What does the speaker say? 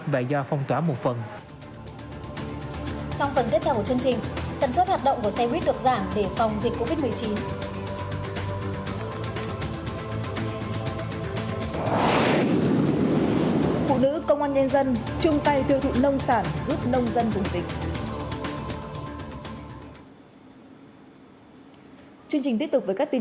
và do phong tỏa một phần